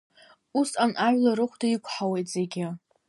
Усҟан ажәлар рыхәда иқәҳауеит зегьы.